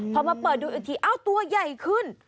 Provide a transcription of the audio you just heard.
พอมาเปิดดูอีกทีเอ้าตัวใหญ่ขึ้น